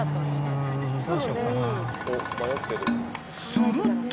すると。